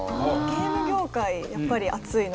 ゲーム業界やっぱり熱いので。